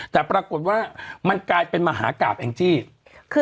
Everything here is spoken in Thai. แต่ปรากฏว่ามันกลายเป็นรูปภูมิ